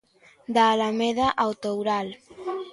Da Alameda ao Toural.